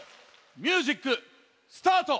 ミュージックスタート！